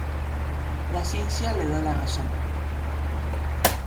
La ciencia le da la razón.